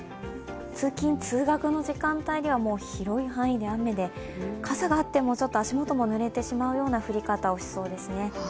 通勤・通学の時間帯では、広い範囲で雨で傘があってもちょっと足元も濡れてしまいそうな降り方をしそうですね。